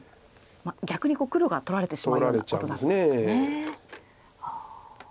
逆に黒が取られてしまうようなことだったんですね。